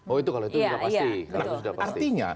oh itu kalau itu sudah pasti